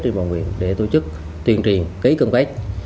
trên bàn nguyện để tổ chức tuyên truyền ký cam kết